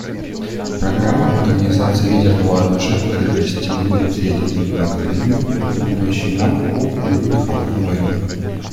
Программы модернизации ядерного оружия открыто стимулируются ядерными доктринами, напоминающими нам о периоде «холодной войны».